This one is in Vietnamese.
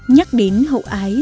nhắc đến hậu ái